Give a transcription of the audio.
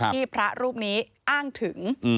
พระรูปนี้อ้างถึง